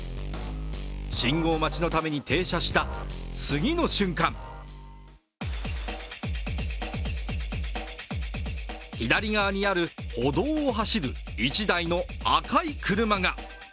信号待ちのために停車した次の瞬間左側にある歩道を走る１台の赤い車が。